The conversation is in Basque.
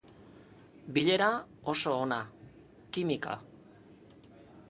Bilera oso ona, kimika.